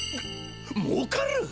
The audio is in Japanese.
もうかる？